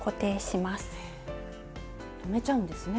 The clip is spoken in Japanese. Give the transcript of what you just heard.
へえ留めちゃうんですね。